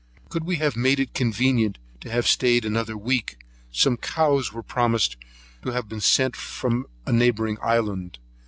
Could we have made it convenient to have staid another week, some cows were promised to have been sent us from a neighbouring island.